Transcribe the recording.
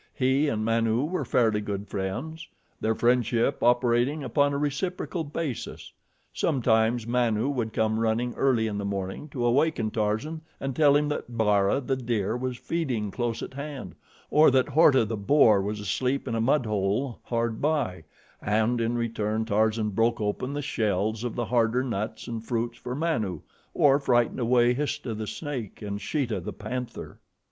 He and Manu were fairly good friends, their friendship operating upon a reciprocal basis. Sometimes Manu would come running early in the morning to awaken Tarzan and tell him that Bara, the deer, was feeding close at hand, or that Horta, the boar, was asleep in a mudhole hard by, and in return Tarzan broke open the shells of the harder nuts and fruits for Manu, or frightened away Histah, the snake, and Sheeta, the panther.